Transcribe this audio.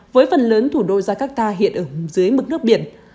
với phần lớn thủ đô jakarta hiện ở dưới mực nước biển